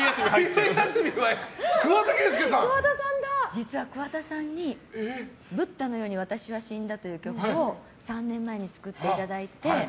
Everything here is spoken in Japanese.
実は桑田さんに「ブッダのように私は死んだ」という曲を３年前に作っていただいて。